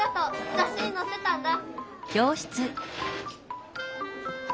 ざっしにのってたんだ。